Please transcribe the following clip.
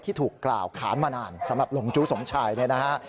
ที่ถูกกล่าวขาวมานานสำหรับหลงจู้สมชายนะฮะ